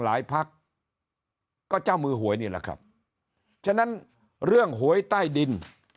พักก็เจ้ามือหวยนี่แหละครับฉะนั้นเรื่องหวยใต้ดิน